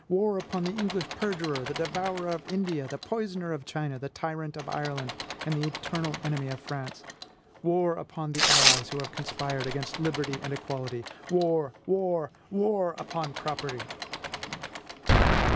War upon the English perjurer, the devourer of India, the poisoner of China, the tyrant of Ireland, and the eternal enemy of France! War upon the allies who have conspired against liberty and equality! War! war! war upon property!"